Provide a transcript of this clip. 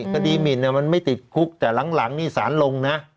กระดีมินเนี่ยมันไม่ติดคุกแต่หลังนี่สารลงนะ